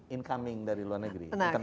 incoming dari luar negeri